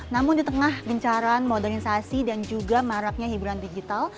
namun di tengah gencaran modernisasi dan juga maraknya hiburan digital